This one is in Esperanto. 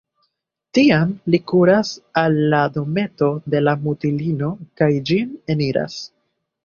Tiam li kuras al la dometo de la mutulino kaj ĝin eniras.